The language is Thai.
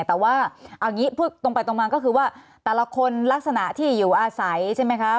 แต่ว่าเอาอย่างนี้พูดตรงไปตรงมาก็คือว่าแต่ละคนลักษณะที่อยู่อาศัยใช่ไหมคะ